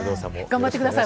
頑張ってください！